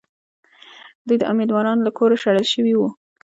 دوی د اُمیدوارانو له کوره شړل شوي دي.